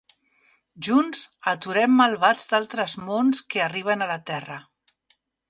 Junts aturen malvats d'altres mons que arriben a la Terra.